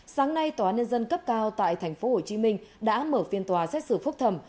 sáng nay tòa nhân dân cấp cao tại tp hcm đã mở phiên tòa xét xử phúc thẩm